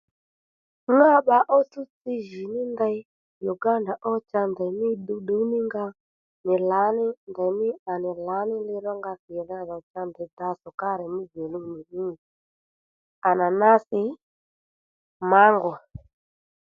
Ŋá bba ó tsúw tsi jì ní ndey Uganda ó cha ndèymí ddǔwddǔw ní ngá nì lǎní ndèymí à nì lǎní lirónga thidha dhò cha ndèydha sukari mî djòluw nǐ anànási màngo